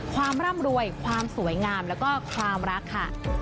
ความร่ำรวยความสวยงามแล้วก็ความรักค่ะ